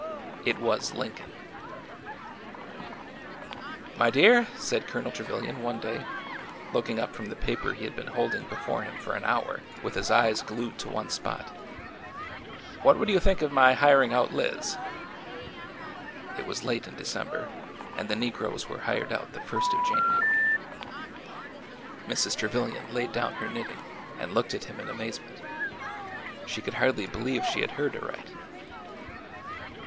It was Lincoln ! My dear," said Colonel Trevilian one day, looking up from the paper he had been holding before him for an hour with his eyes glued to one spot, '' what would you think of my hiring out Liz ?" It was late in December, and the negroes were hired out the first of January. 170 ORDER NO. 11 Mrs. Trevilian laid down her knitting and looked at him in amazement. She could hardly believe she had heard aright.